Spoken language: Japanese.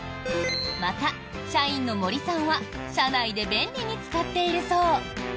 また、社員の森さんは社内で便利に使っているそう。